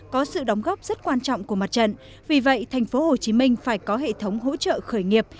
có sự đóng góp rất quan trọng của mặt trận vì vậy tp hcm phải có hệ thống hỗ trợ khởi nghiệp